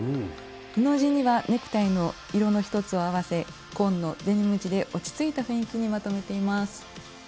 布地にはネクタイの色の１つを合わせ紺のデニム地で落ち着いた雰囲気にまとめています。